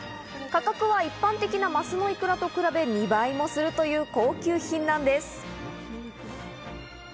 価格は一般的なマスのイクラと比べ２倍もする高級品なんです。